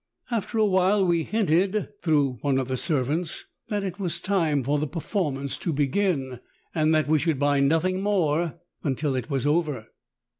After awhile we hinted through one of the servants that it was time for the performance JUGGLERS OF THE ORIENT. 93 to begin and that we should buy nothing more until it was over.